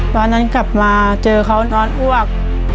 วันนั้นกลับมาเจอเขานอนอ้วก